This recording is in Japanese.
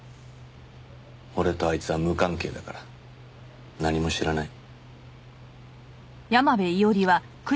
俺とあいつは無関係だから。何も知らない。